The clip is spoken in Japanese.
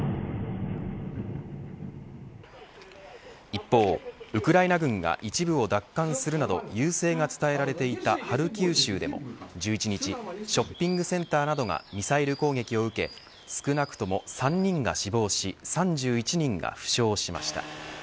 一方、ウクライナ軍が一部を奪還するなど優勢が伝えられていたハルキウ州でも１１日ショッピングセンターなどがミサイル攻撃を受け少なくとも３人が死亡し３１人が負傷しました。